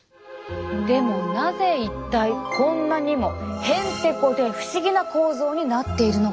でもなぜ一体こんなにもへんてこで不思議な構造になっているのか。